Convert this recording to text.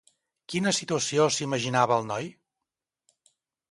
Quina situació s'imaginava el noi?